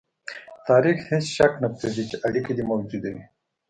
تاریخ هېڅ شک نه پرېږدي چې اړیکه دې موجوده وي.